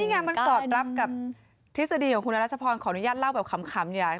นี่งะผ่านสอบรับกับทฤษฎีของขุนรัชพรขออนุญาตเล่ากับขำ